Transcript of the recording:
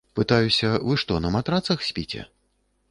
Пытаюся, вы што, на матрацах спіце?